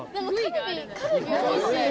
カルビおいしい。